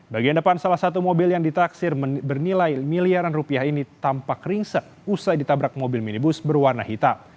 bagian depan salah satu mobil yang ditaksir bernilai miliaran rupiah ini tampak ringsek usai ditabrak mobil minibus berwarna hitam